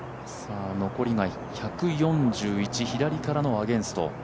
残りが１４１、左からのアゲンスト。